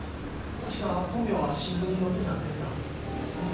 確か本名は新聞に載ってたはずですが忘れました。